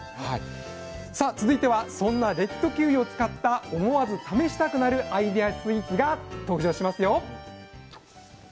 さあ続いてはそんなレッドキウイを使った思わず試したくなるアイデアスイーツが登場しますよ。